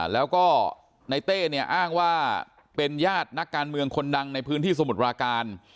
แล้วก็ในเต้เนี่ยอ้างว่าเป็นญาตินักการเมืองคนดังในพื้นที่สมุทรปราการ